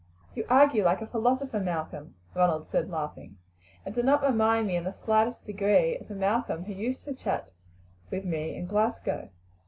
"You argue like a philosopher, Malcolm," Ronald said laughing, "and do not remind me in the slightest degree of the Malcolm who used to chat with me in Glasgow."